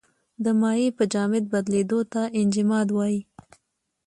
د مایع په جامد بدلیدو ته انجماد وايي.